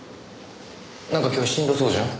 なんか今日しんどそうじゃん。